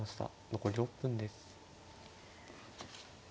残り６分です。